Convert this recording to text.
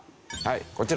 こちら。